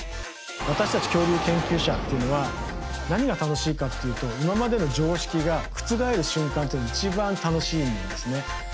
私たち恐竜研究者っていうのは何が楽しいかっていうと今までの常識が覆る瞬間っていうのが一番楽しいんですね。